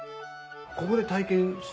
ここで体験して。